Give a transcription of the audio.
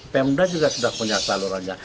pemda juga sudah punya salurannya